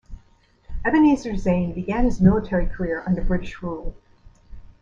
Ebenezer Zane began his military career under British rule.